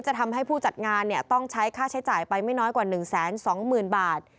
ทำให้ผู้จัดงานต้องใช้ค่าใช้จ่ายไปไม่น้อยกว่า๑๒๐๐๐บาท